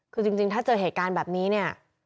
คือจริงถ้าเจอเหตุการณ์แบบนี้เนี่ย